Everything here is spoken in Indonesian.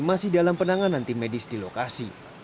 ketiga korban yang baru dikeluarkan